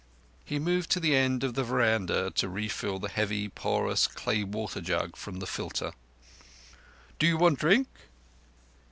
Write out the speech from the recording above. He moved to the end of the veranda to refill the heavy, porous clay water jug from the filter. "Do you want drink?"